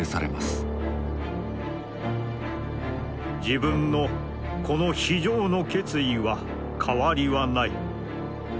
「自分の此の非常の決意は変りはない。